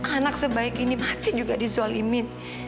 anak sebaik ini masih juga dizolimin